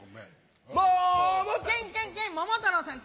ももケンケンケン桃太郎さん